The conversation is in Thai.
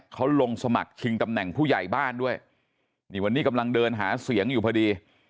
เขาลงสมัครชิงตำแหน่งผู้ใหญ่บ้านด้วยนี่วันนี้กำลังเดินหาเสียงอยู่พอดี